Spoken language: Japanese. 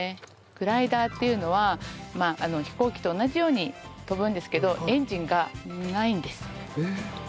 グライダーっていうのは飛行機と同じように飛ぶんですけどエンジンがないんです。え？